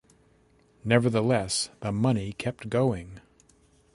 Nevertheless, the money kept going.